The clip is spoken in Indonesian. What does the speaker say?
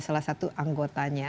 salah satu anggotanya